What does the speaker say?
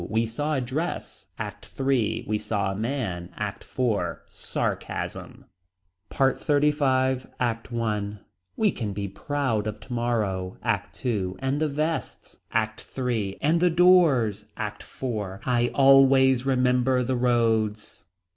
We saw a dress. ACT III. We saw a man. ACT IV. Sarcasm. PART XXXV. ACT I. We can be proud of tomorrow. ACT II. And the vests. ACT III. And the doors. ACT IV. I always remember the roads.